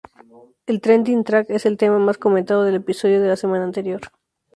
El "Trending Track" es el tema más comentado del episodio de la semana anterior.